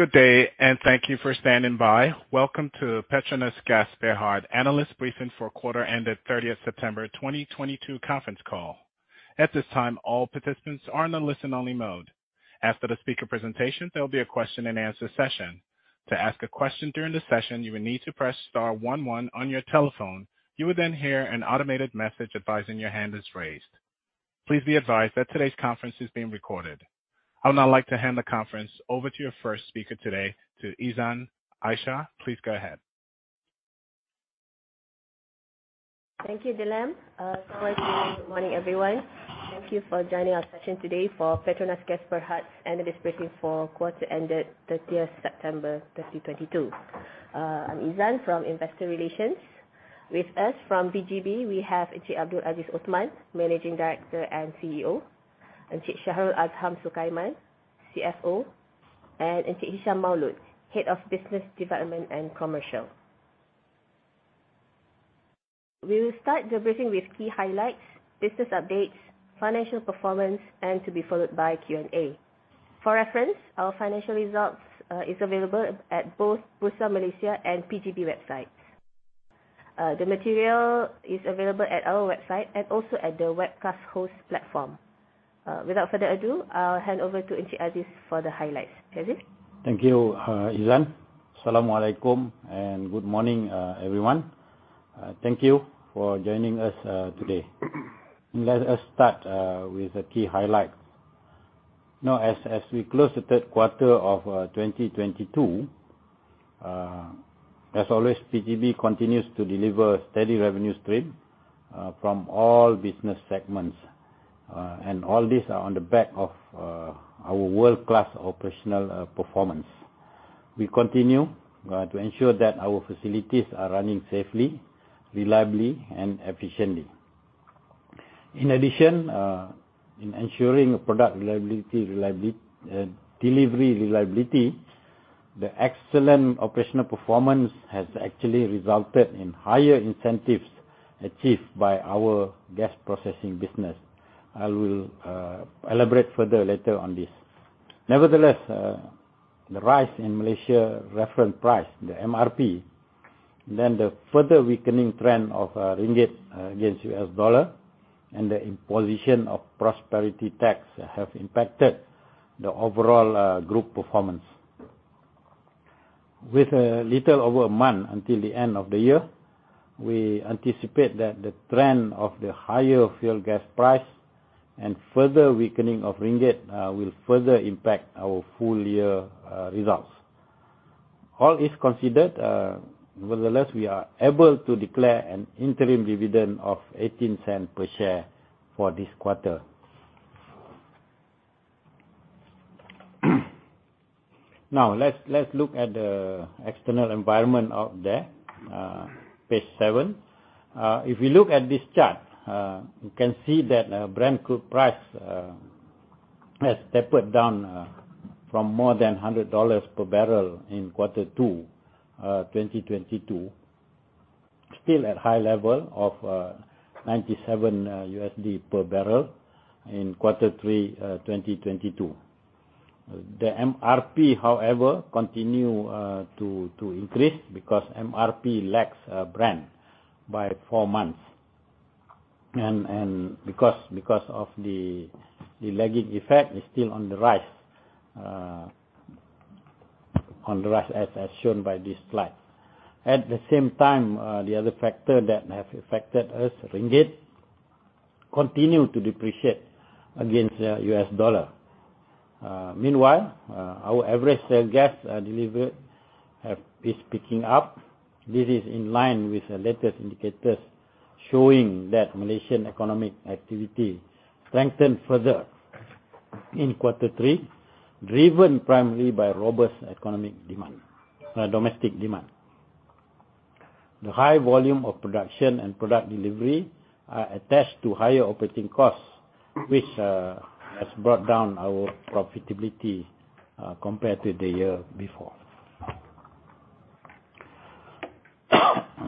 Good day, thank you for standing by. Welcome to PETRONAS Gas Berhad Analyst Briefing for quarter ended 30th September 2022 conference call. At this time, all participants are in a listen-only mode. After the speaker presentation, there'll be a question and answer session. To ask a question during the session, you will need to press star one one on your telephone. You will then hear an automated message advising your hand is raised. Please be advised that today's conference is being recorded. I would now like to hand the conference over to your first speaker today, to Izan Ishak. Please go ahead. Thank you, Dylan. Good morning, everyone. Thank you for joining our session today for PETRONAS Gas Berhad Analyst Briefing for quarter ended 30 September 2022. I'm Izan from Investor Relations. With us from PGB, we have Encik Abdul Aziz Othman, Managing Director and CEO, Encik Shahrul Azham Sukaiman, CFO, and Encik Hisham Maaulot, Head of Business Development and Commercial. We will start the briefing with key highlights, business updates, financial performance, and to be followed by Q&A. For reference, our financial results is available at both Bursa Malaysia and PGB websites. The material is available at our website and also at the webcast host platform. Without further ado, I'll hand over to Encik Aziz for the highlights. Aziz? Thank you, Izan. Asalamu alaikum, and good morning, everyone. Thank you for joining us today. Let us start with the key highlights. Now, as we close the third quarter of 2022, as always, PGB continues to deliver steady revenue stream from all business segments. All this are on the back of our world-class operational performance. We continue to ensure that our facilities are running safely, reliably and efficiently. In addition, in ensuring product delivery reliability, the excellent operational performance has actually resulted in higher incentives achieved by our gas processing business. I will elaborate further later on this. Nevertheless, the rise in Malaysia Reference Price, the MRP, then the further weakening trend of our ringgit against U.S. dollar and the imposition of Prosperity Tax have impacted the overall group performance. With a little over a month until the end of the year, we anticipate that the trend of the higher fuel gas price and further weakening of ringgit will further impact our full year results. All is considered, nevertheless, we are able to declare an interim dividend of 0.18 per share for this quarter. Now, let's look at the external environment out there, page seven. If you look at this chart, you can see that Brent crude price has tapered down from more than $100 per barrel in quarter two 2022. Still at high level of $97 per barrel in quarter three 2022. The MRP, however, continue to increase because MRP lags Brent by four months. Because of the lagging effect, is still on the rise, as shown by this slide. At the same time, the other factor that have affected us, ringgit, continue to depreciate against the U.S. dollar. Meanwhile, our average sales gas delivered is picking up. This is in line with the latest indicators showing that Malaysian economic activity strengthened further in quarter three, driven primarily by robust domestic demand. The high volume of production and product delivery are attached to higher operating costs, which has brought down our profitability compared to the year before.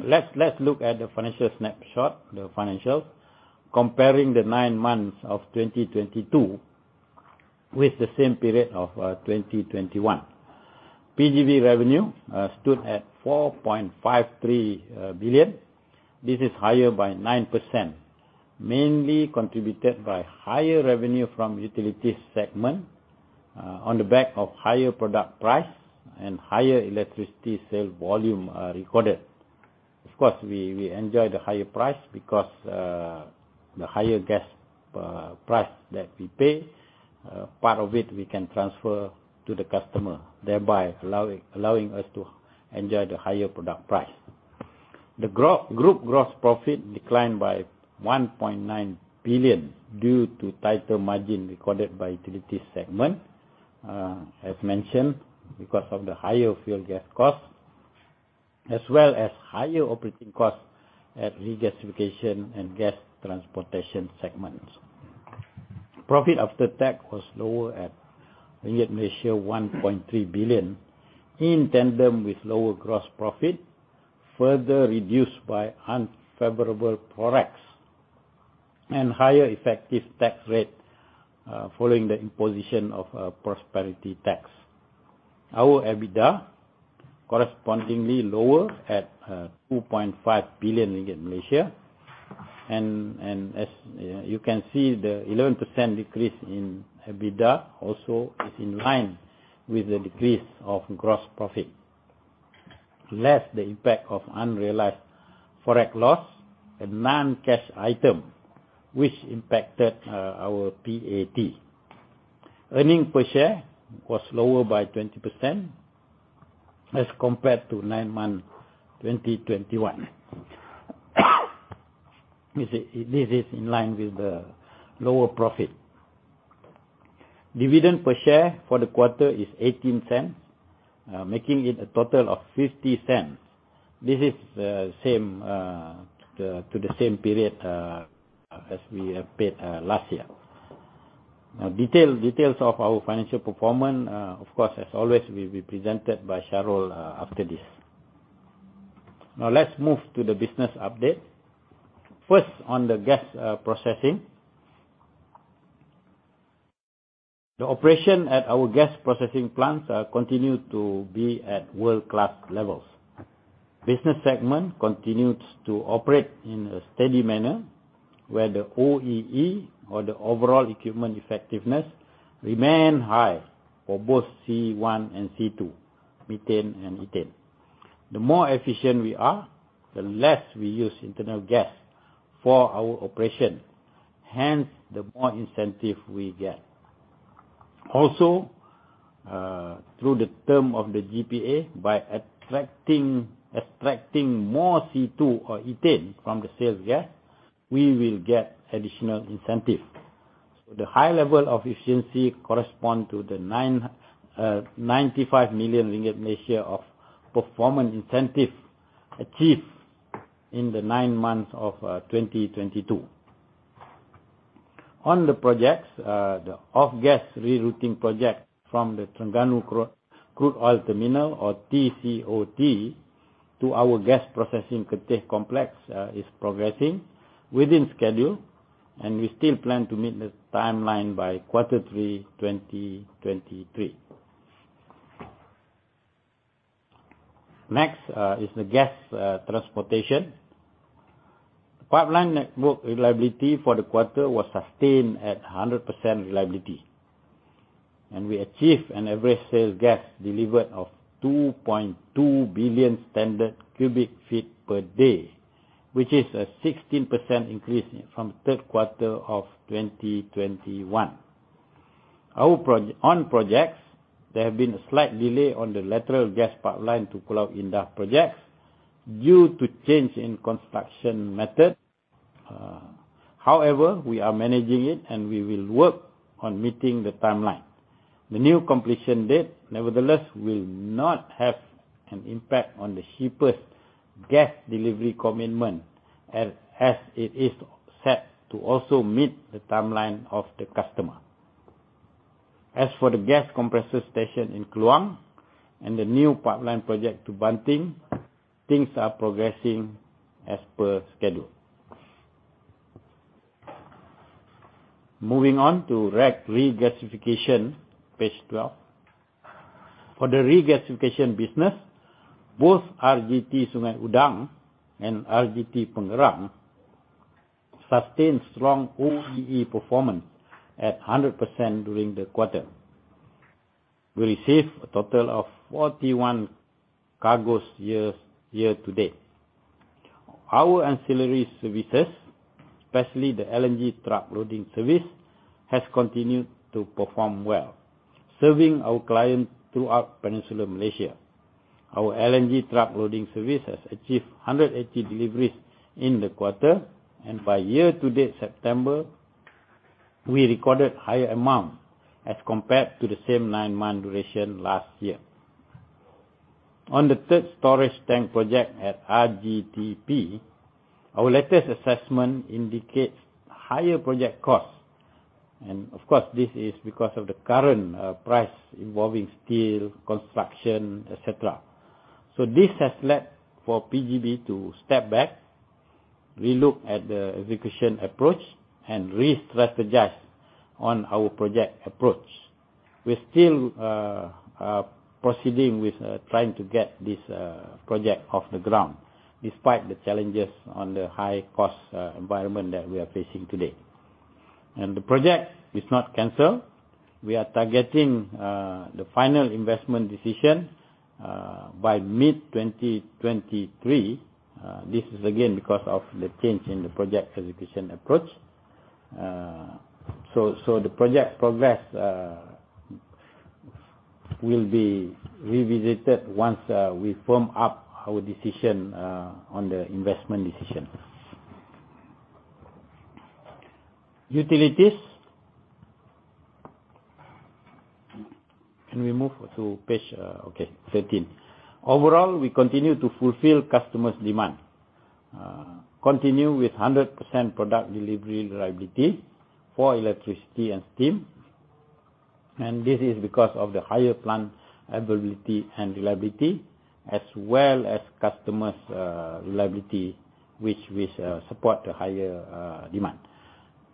Let's look at the financial snapshot, the financials, comparing the nine months of 2022 with the same period of 2021. PGB revenue stood at 4.53 billion. This is higher by 9%, mainly contributed by higher revenue from utilities segment on the back of higher product price and higher electricity sales volume recorded. Of course, we enjoy the higher price because the higher gas price that we pay, part of it we can transfer to the customer, thereby allowing us to enjoy the higher product price. The group gross profit declined by 1.9 billion due to tighter margin recorded by utilities segment, as mentioned, because of the higher fuel gas costs, as well as higher operating costs at regasification and gas transportation segments. Profit after tax was lower at 1.3 billion ringgit, in tandem with lower gross profit, further reduced by unfavorable forex and higher effective tax rate, following the imposition of a Prosperity Tax. Our EBITDA correspondingly lower at 2.5 billion ringgit. As you know, you can see the 11% decrease in EBITDA also is in line with the decrease of gross profit. Less the impact of unrealized forex loss, a non-cash item which impacted our P&T. Earnings per share was lower by 20% as compared to nine-month 2021. This is in line with the lower profit. Dividend per share for the quarter is 0.18, making it a total of 0.50. This is same to the same period as we have paid last year. Details of our financial performance, of course, as always, will be presented by Shahrul, after this. Let's move to the business update. First, on the gas processing. The operation at our gas processing plants continue to be at world-class levels. Business segment continues to operate in a steady manner, where the OEE or the overall equipment effectiveness remain high for both C1 and C2, methane and ethane. The more efficient we are, the less we use internal gas for our operation, hence, the more incentive we get. Also, through the term of the GPA, by extracting more C2 or ethane from the sales gas, we will get additional incentive. The high level of efficiency correspond to the 95 million ringgit of performance incentive achieved in the nine months of 2022. On the projects, the off gas rerouting project from the Terengganu Crude Oil Terminal or TCOT to our gas processing Kerteh complex is progressing within schedule, and we still plan to meet the timeline by quarter three 2023. Next is the gas transportation. Pipeline network reliability for the quarter was sustained at 100% reliability. We achieved an average sales gas delivered of 2.2 billion standard cubic feet per day, which is a 16% increase from third quarter of 2021. On projects, there have been a slight delay on the lateral gas pipeline to Kluang Industrial projects due to change in construction method. However, we are managing it, and we will work on meeting the timeline. The new completion date, nevertheless, will not have an impact on the shipyard's gas delivery commitment as it is set to also meet the timeline of the customer. As for the gas compressor station in Kluang and the new pipeline project to Banting, things are progressing as per schedule. Moving on to regasification, page 12. For the regasification business, both RGT Sungai Udang and RGT Pengerang sustained strong OEE performance at 100% during the quarter. We received a total of 41 cargoes year-to-date. Our ancillary services, especially the LNG truck loading service, has continued to perform well, serving our clients throughout Peninsular Malaysia. Our LNG truck loading service has achieved 180 deliveries in the quarter. By year-to-date September, we recorded higher amount as compared to the same nine-month duration last year. On the third storage tank project at RGTP, our latest assessment indicates higher project costs. Of course, this is because of the current price involving steel, construction, et cetera. This has led for PGB to step back, relook at the execution approach, and re-strategize on our project approach. We're still proceeding with trying to get this project off the ground despite the challenges on the high cost environment that we are facing today. The project is not canceled. We are targeting the final investment decision by mid-2023. This is again because of the change in the project execution approach. The project progress will be revisited once we firm up our decision on the investment decision. Utilities. Can we move to page 13? Overall, we continue to fulfill customers' demand. Continue with 100% product delivery reliability for electricity and steam. This is because of the higher plant availability and reliability, as well as customers reliability which supports the higher demand.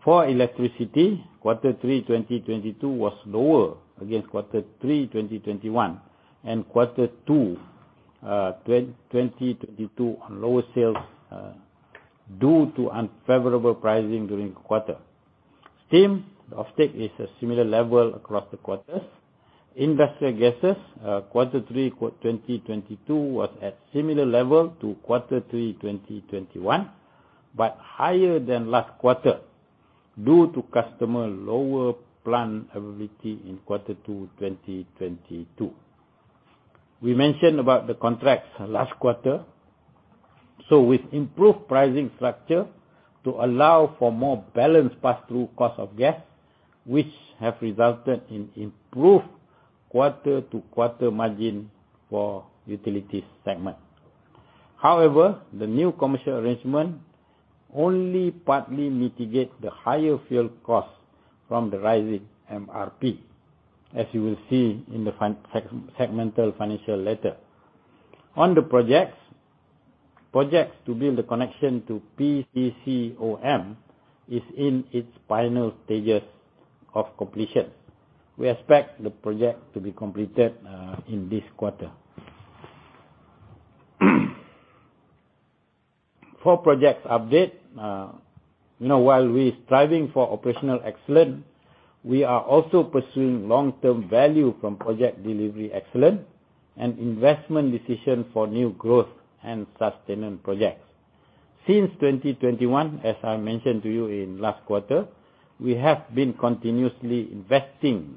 For electricity, quarter three 2022 was lower against quarter three 2021 and quarter two 2022 on lower sales due to unfavorable pricing during the quarter. Steam offtake is a similar level across the quarters. Industrial gases, quarter three 2022 was at similar level to quarter three 2021, but higher than last quarter due to customer lower plant availability in quarter two 2022. We mentioned about the contracts last quarter. With improved pricing structure to allow for more balanced pass-through cost of gas, which have resulted in improved quarter-to-quarter margin for utilities segment. However, the new commercial arrangement only partly mitigate the higher fuel costs from the rising MRP, as you will see in the segmental financials. On the projects to build the connection to PETRONAS Chemicals Group is in its final stages of completion. We expect the project to be completed in this quarter. For projects update, you know, while we are striving for operational excellence, we are also pursuing long-term value from project delivery excellence and investment decision for new growth and sustainable projects. Since 2021, as I mentioned to you in last quarter, we have been continuously investing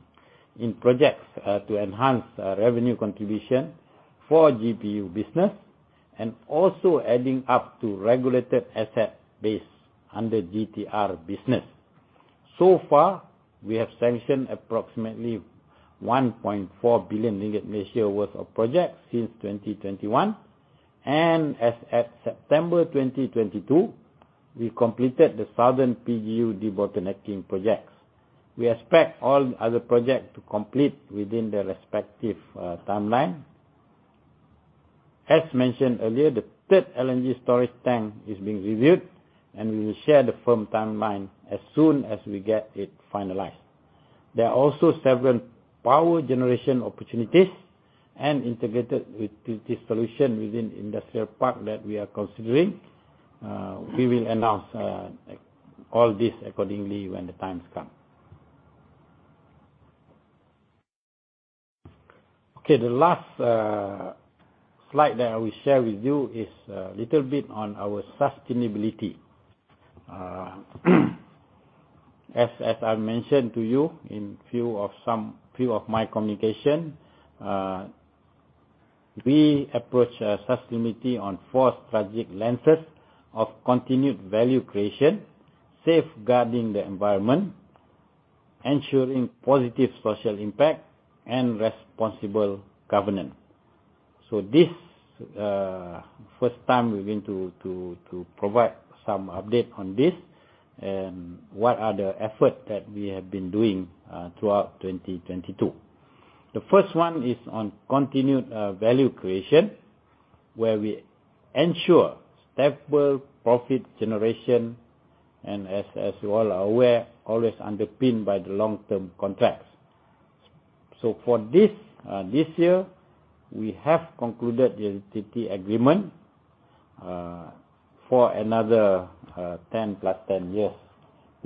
in projects to enhance our revenue contribution for GPU business and also adding up to regulated asset base under GTR business. So far, we have sanctioned approximately 1.4 billion ringgit worth of projects since 2021. As at September 2022, we completed the Southern PGU debottlenecking projects. We expect all other projects to complete within their respective timeline. As mentioned earlier, the third LNG storage tank is being reviewed, and we will share the firm timeline as soon as we get it finalized. There are also several power generation opportunities and integrated utility solution within industrial park that we are considering. We will announce all this accordingly when the times come. Okay. The last slide that I will share with you is little bit on our sustainability. As I mentioned to you in few of my communication, we approach sustainability on four strategic lenses of continued value creation, safeguarding the environment, ensuring positive social impact and responsible governance. This first time we're going to provide some update on this and what are the efforts that we have been doing throughout 2022. The first one is on continued value creation, where we ensure stable profit generation and as you all are aware, always underpinned by the long-term contracts. For this year, we have concluded the entity agreement for another 10 + 10 years,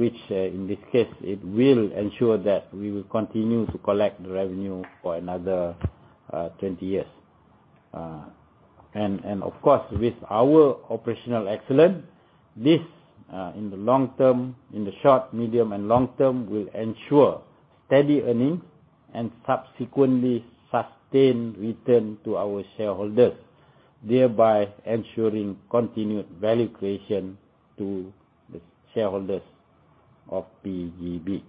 which in this case it will ensure that we will continue to collect the revenue for another 20 years. Of course, with our operational excellence, this in the short, medium and long term will ensure steady earnings and subsequently sustain return to our shareholders, thereby ensuring continued value creation to the shareholders of PGB.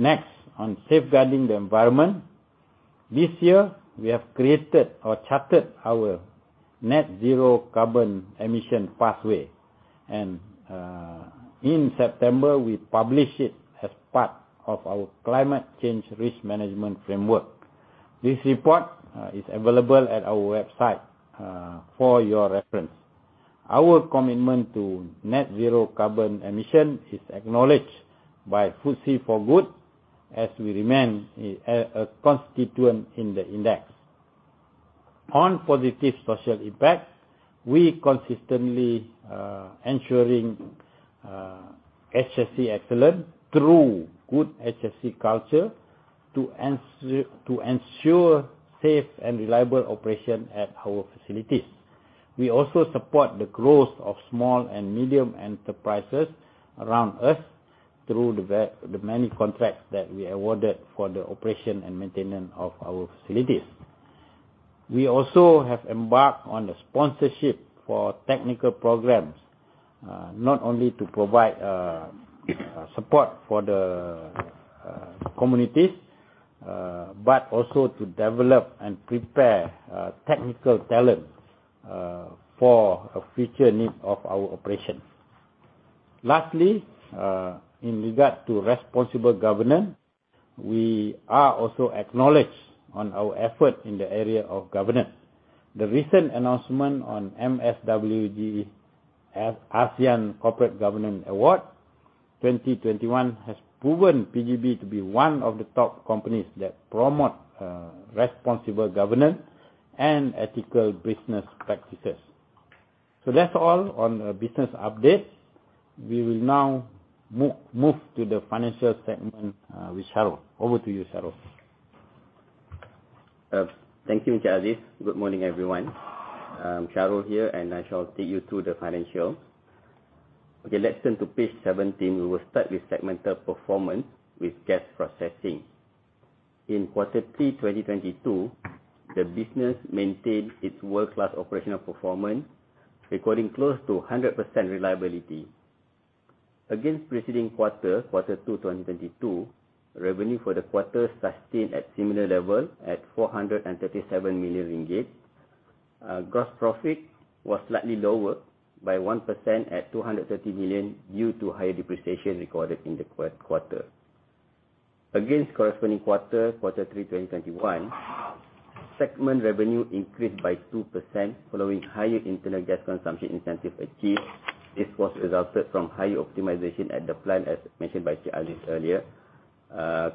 Next, on safeguarding the environment. This year we have created or charted our net zero carbon emission pathway. In September, we published it as part of our climate change risk management framework. This report is available at our website for your reference. Our commitment to net zero carbon emission is acknowledged by FTSE4Good as we remain a constituent in the index. On positive social impact, we consistently ensuring HSE excellence through good HSE culture to ensure safe and reliable operation at our facilities. We also support the growth of small and medium enterprises around us through the many contracts that we awarded for the operation and maintenance of our facilities. We also have embarked on the sponsorship for technical programs, not only to provide support for the communities, but also to develop and prepare technical talent for a future need of our operation. Lastly, in regard to responsible governance, we are also acknowledged on our effort in the area of governance. The recent announcement of MSWG's ASEAN Corporate Governance Award 2021 has proven PGB to be one of the top companies that promote responsible governance and ethical business practices. That's all on the business updates. We will now move to the financial segment with Shahrul. Over to you, Shahrul. Thank you, Encik Aziz. Good morning, everyone. Shahrul here, and I shall take you through the financial. Okay, let's turn to page 17. We will start with segmental performance with gas processing. In quarter 3 2022, the business maintained its world-class operational performance, recording close to 100% reliability. Against preceding quarter two, 2022, revenue for the quarter sustained at similar level at 437 million ringgit. Gross profit was slightly lower by 1% at 230 million, due to higher depreciation recorded in the quarter. Against corresponding quarter three, 2021, segment revenue increased by 2% following higher internal gas consumption incentive achieved. This was resulted from high optimization at the plant, as mentioned by Encik Aziz earlier.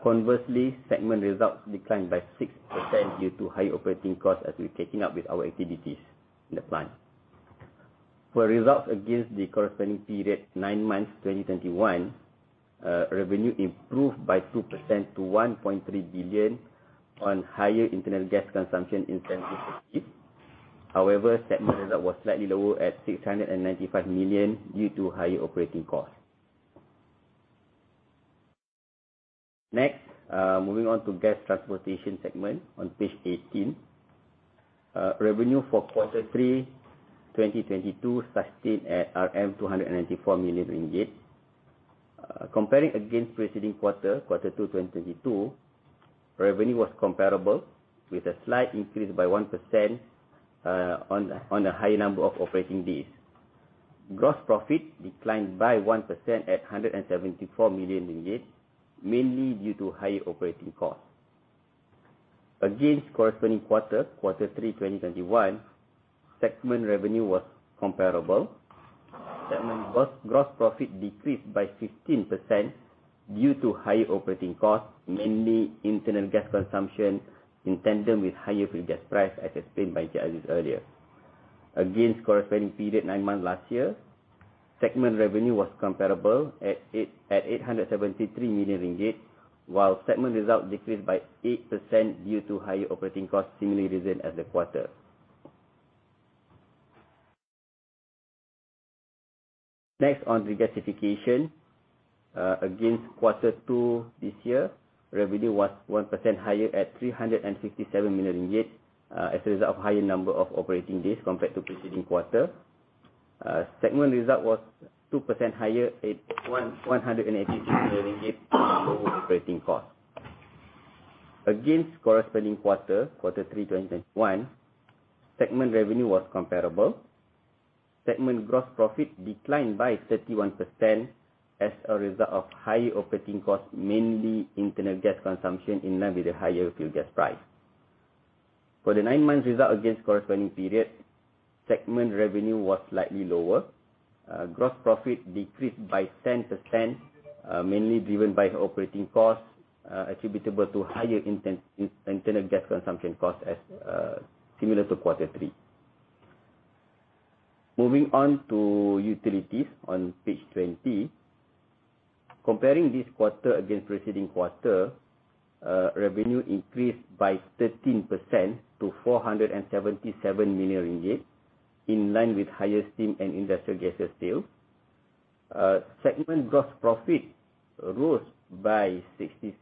Conversely, segment results declined by 6% due to high operating costs as we're catching up with our activities in the plant. For results against the corresponding period, nine months, 2021, revenue improved by 2% to 1.3 billion on higher internal gas consumption incentives achieved. However, segment result was slightly lower at 695 million, due to higher operating costs. Next, moving on to gas transportation segment on page 18. Revenue for quarter three, 2022 sustained at 294 million ringgit. Comparing against preceding quarter two, 2022, revenue was comparable with a slight increase by 1%, on the high number of operating days. Gross profit declined by 1% at 174 million ringgit, mainly due to higher operating costs. Against corresponding quarter three, 2021, segment revenue was comparable. Segment gross profit decreased by 15% due to higher operating costs, mainly internal gas consumption, in tandem with higher fuel gas price, as explained by Encik Aziz earlier. Against corresponding period, nine months last year, segment revenue was comparable at 873 million ringgit, while segment results decreased by 8% due to higher operating costs, similar reason as the quarter. Next on regasification. Against quarter two this year, revenue was 1% higher at 357 million ringgit, as a result of higher number of operating days compared to preceding quarter. Segment result was 2% higher at 186 million ringgit from lower operating costs. Against corresponding quarter three, 2021, segment revenue was comparable. Segment gross profit declined by 31% as a result of higher operating costs, mainly internal gas consumption in line with the higher fuel gas price. For the nine months result against corresponding period, segment revenue was slightly lower. Gross profit decreased by 10%, mainly driven by operating costs, attributable to higher internal gas consumption costs as similar to quarter three. Moving on to utilities on page 20. Comparing this quarter against preceding quarter, revenue increased by 13% to 477 million ringgit, in line with higher steam and industrial gases sales. Segment gross profit rose by 66%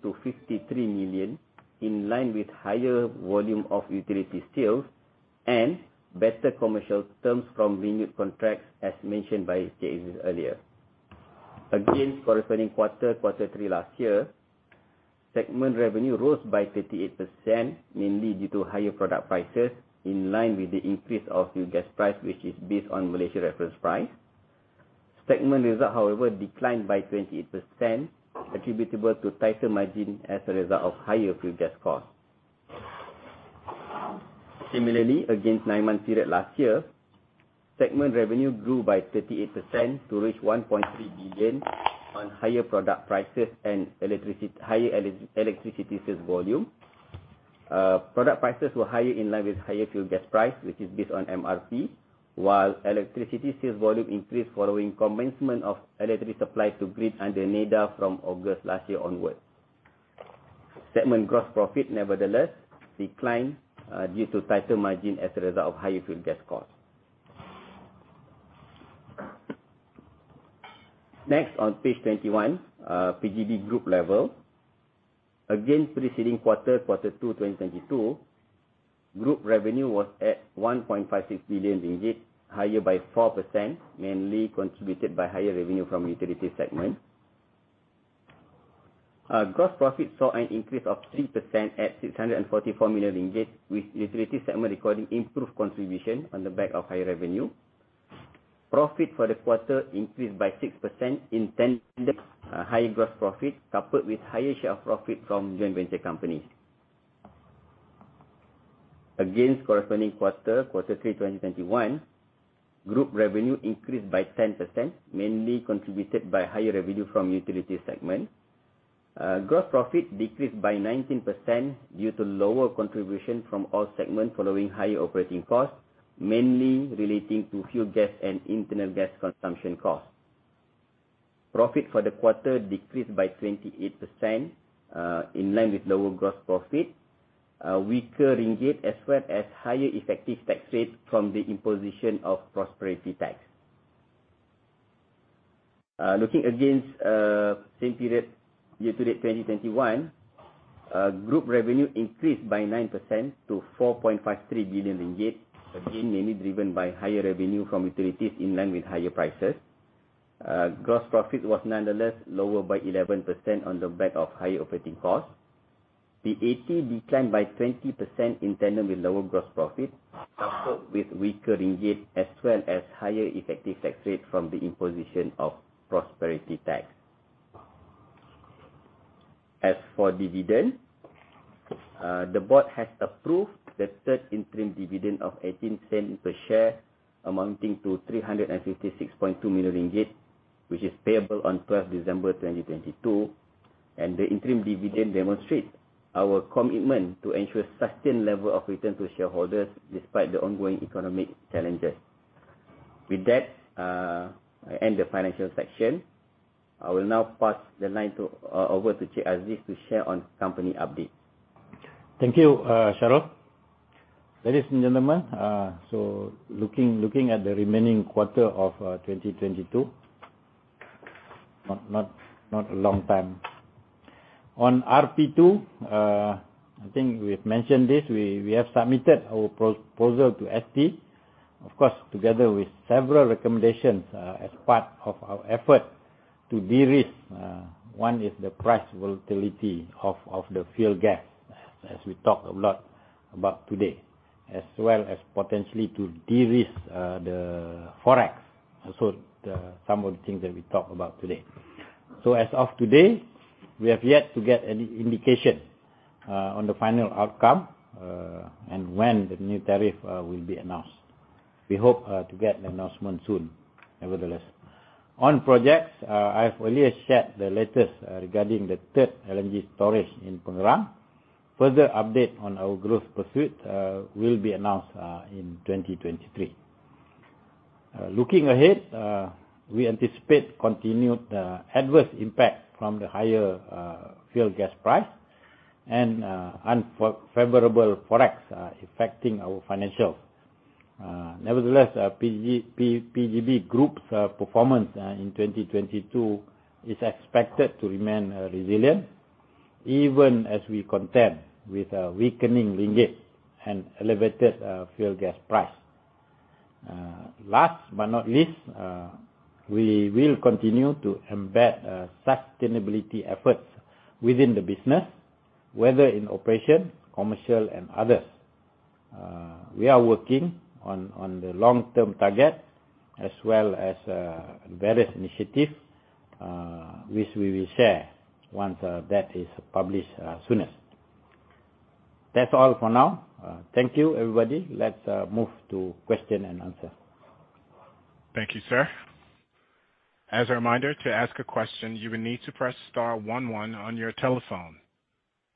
to 53 million, in line with higher volume of utility sales and better commercial terms from renewed contracts, as mentioned by Encik Aziz earlier. Against corresponding quarter three last year, segment revenue rose by 38%, mainly due to higher product prices in line with the increase of fuel gas price, which is based on Malaysia Reference Price. Segment result, however, declined by 28% attributable to tighter margin as a result of higher fuel gas costs. Similarly, against nine-month period last year, segment revenue grew by 38% to reach 1.3 billion on higher product prices and electricity, higher electricity sales volume. Product prices were higher in line with higher fuel gas price, which is based on MRP. While electricity sales volume increased following commencement of electricity supply to grid under NEDA from August last year onwards. Segment gross profit, nevertheless, declined due to tighter margin as a result of higher fuel gas costs. Next on page 21. PGB group level. Against preceding quarter 2, 2022, group revenue was at 1.56 billion ringgit, higher by 4%, mainly contributed by higher revenue from utility segment. Gross profit saw an increase of 3% at 644 million ringgit, with utility segment recording improved contribution on the back of high revenue. Profit for the quarter increased by 6% high gross profit, coupled with higher share of profit from joint venture companies. Against corresponding quarter 3, 2021, group revenue increased by 10%, mainly contributed by higher revenue from utility segment. Gross profit decreased by 19% due to lower contribution from all segments following higher operating costs, mainly relating to fuel gas and internal gas consumption costs. Profit for the quarter decreased by 28%, in line with lower gross profit, weaker ringgit, as well as higher effective tax rate from the imposition of Prosperity Tax. Looking at the same period year-to-date, 2021, group revenue increased by 9% to 4.53 billion ringgit, again, mainly driven by higher revenue from utilities in line with higher prices. Gross profit was nonetheless lower by 11% on the back of higher operating costs. The PAT declined by 20% in tandem with lower gross profit, coupled with weaker ringgit, as well as higher effective tax rate from the imposition of Prosperity Tax. As for dividend, the board has approved the third interim dividend of 0.18 per share, amounting to 356.2 million ringgit, which is payable on 12th December 2022, and the interim dividend demonstrates our commitment to ensure sustained level of return to shareholders, despite the ongoing economic challenges. With that, I end the financial section. I will now pass the line over to Encik Aziz to share on company update. Thank you, Shahrul. Ladies and gentlemen, looking at the remaining quarter of 2022, not a long time. On RP2, I think we've mentioned this. We have submitted our proposal to ST, of course, together with several recommendations as part of our effort to de-risk. One is the price volatility of the fuel gas, as we talked a lot about today, as well as potentially to de-risk the Forex. Also some of the things that we talk about today. As of today, we have yet to get any indication on the final outcome and when the new tariff will be announced. We hope to get the announcement soon, nevertheless. On projects, I've earlier shared the latest regarding the third LNG storage in Pengerang. Further update on our growth pursuit will be announced in 2023. Looking ahead, we anticipate continued adverse impact from the higher fuel gas price and unfavorable Forex affecting our financials. Nevertheless, PGB Group's performance in 2022 is expected to remain resilient, even as we contend with a weakening ringgit and elevated fuel gas price. Last but not least, we will continue to embed sustainability efforts within the business, whether in operation, commercial, and others. We are working on the long-term target as well as various initiatives which we will share once that is published soonest. That's all for now. Thank you, everybody. Let's move to question and answer. Thank you, sir. As a reminder, to ask a question, you will need to press star one one on your telephone.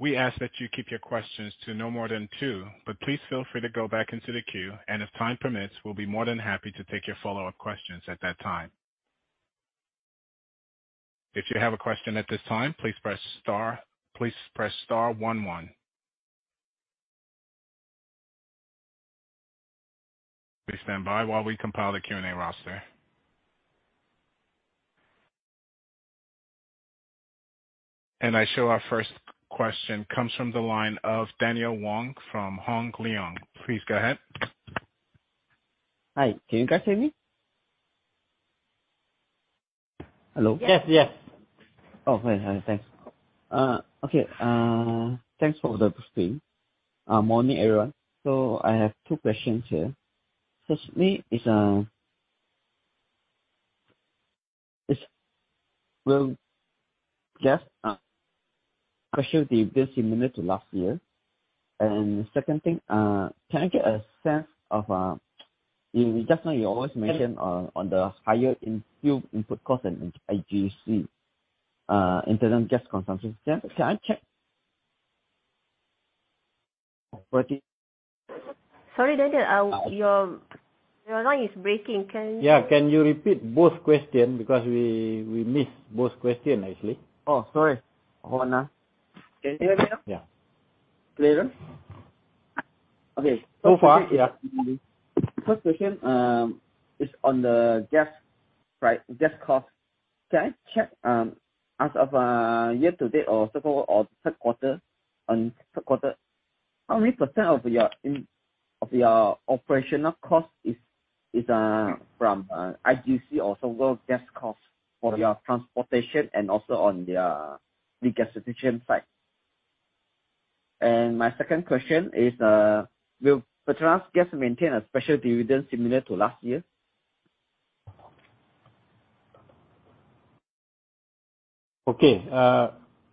We ask that you keep your questions to no more than two, but please feel free to go back into the queue, and if time permits, we'll be more than happy to take your follow-up questions at that time. If you have a question at this time, please press star one one. Please stand by while we compile the Q&A roster. I show our first question comes from the line of Daniel Wong from Hong Leong. Please go ahead. Hi. Can you guys hear me? Hello? Yes. Yes. Hi. Thanks. Okay. Thanks for the briefing. Morning, everyone. I have two questions here. Firstly, will the gas pressure be similar to last year? The second thing, can I get a sense of, you know, you always mention the higher input fuel costs and IGC, internal gas consumption. Can I check? Sorry, Daniel. Your line is breaking. Yeah. Can you repeat both questions? Because we missed both questions, actually. Oh, sorry. Hold on. Can you hear me now? Yeah. Clearer? Okay. Far, yeah. First question is on the gas, right, gas cost. Can I check as of year to date or so forth or third quarter on third quarter. How many percentage of your operational cost is from IGC or natural gas cost for your transportation and also on the regasification side? My second question is, will PETRONAS Gas maintain a special dividend similar to last year? Okay.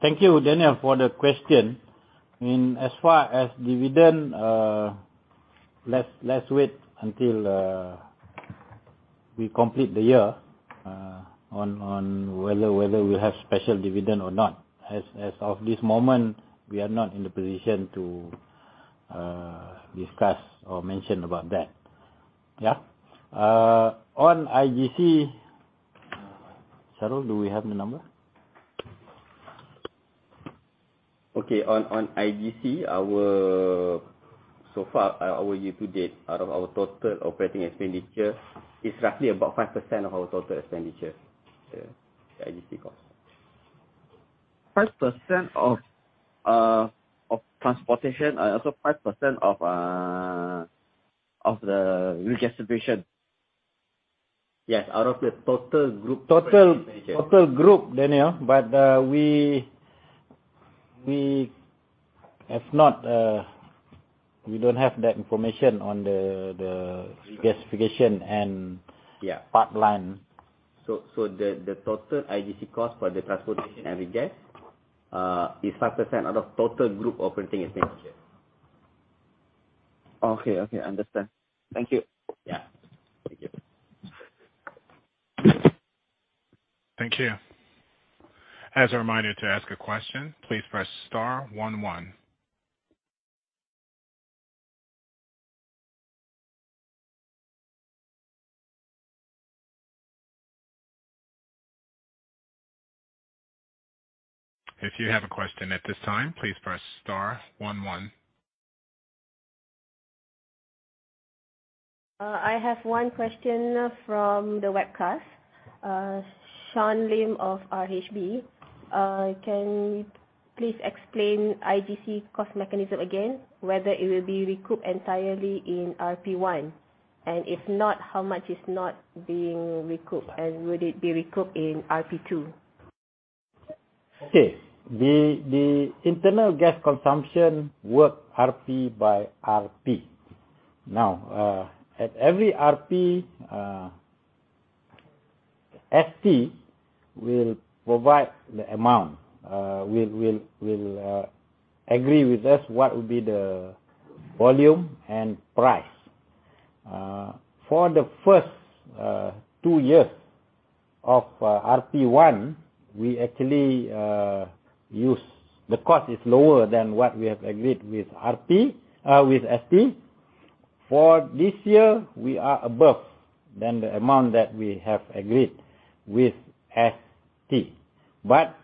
Thank you, Daniel, for the question. As far as dividend, let's wait until we complete the year on whether we have special dividend or not. As of this moment, we are not in the position to discuss or mention about that. Yeah. On IGC, Shahrul, do we have the number? Okay. On IGC. So far, our year to date, out of our total operating expenditure is roughly about 5% of our total expenditure. Yeah. IGC cost. 5% of transportation and also 5% of the regasification? Yes. Out of the total group. Total group, Daniel, but we don't have that information on the regasification and. Yeah pipeline. The total IGC cost for the transportation and the gas is 5% of the total group operating expenditure. Okay. Understand. Thank you. Yeah. Thank you. Thank you. As a reminder to ask a question, please press star one one. If you have a question at this time, please press star one one. I have one question from the webcast. Sean Lim of RHB. Can you please explain IGC cost mechanism again, whether it will be recouped entirely in RP one? If not, how much is not being recouped, and would it be recouped in RP two? Okay. The internal gas consumption works RP by RP. Now, at every RP, ST will provide the amount. Will agree with us what will be the volume and price. For the first two years of RP one, we actually. The cost is lower than what we have agreed with ST. For this year, we are above the amount that we have agreed with ST.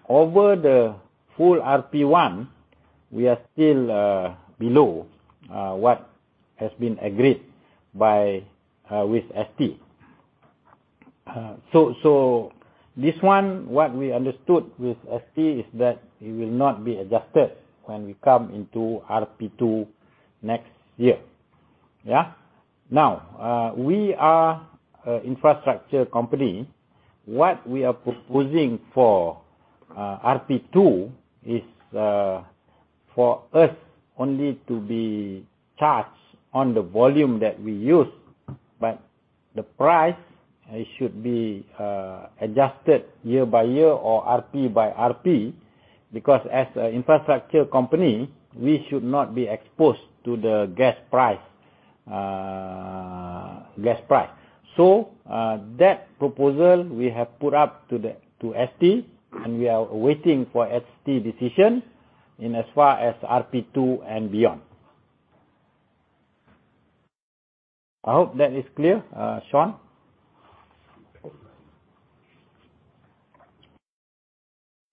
Over the full RP one, we are still below what has been agreed with ST. This one, what we understood with ST is that it will not be adjusted when we come into RP two next year. Yeah. Now, we are an infrastructure company. What we are proposing for RP2 is for us only to be charged on the volume that we use, but the price, it should be adjusted year by year or RP by RP, because as an infrastructure company, we should not be exposed to the gas price, gas price. That proposal we have put up to the ST, and we are waiting for ST decision as far as RP2 and beyond. I hope that is clear, Sean.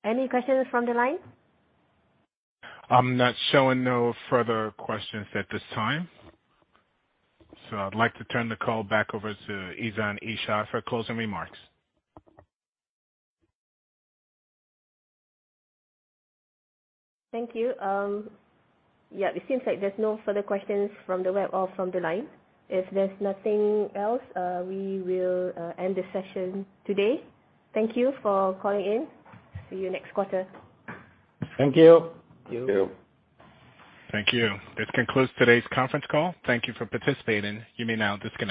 Any questions from the line? I'm not showing no further questions at this time, so I'd like to turn the call back over to Izan Ishak for closing remarks. Thank you. Yeah, it seems like there's no further questions from the web or from the line. If there's nothing else, we will end the session today. Thank you for calling in. See you next quarter. Thank you. Thank you. Thank you. This concludes today's conference call. Thank you for participating. You may now disconnect.